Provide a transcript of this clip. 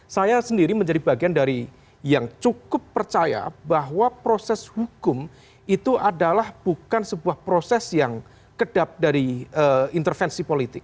saya sendiri menjadi bagian dari yang cukup percaya bahwa proses hukum itu adalah bukan sebuah proses yang kedap dari intervensi politik